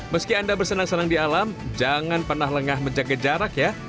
meski anda bersenang senang di alam jangan pernah lengah menjaga jarak ya